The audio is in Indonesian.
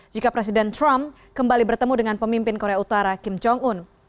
jika presiden trump kembali bertemu dengan pemimpin korea utara kim jong un